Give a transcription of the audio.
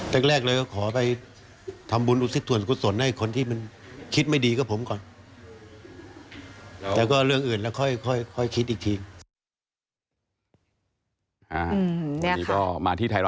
ถ้าหากว่าเงินที่เหลือที่สุดอาหญังอยู่ใน๒๕ล้านเนี่ย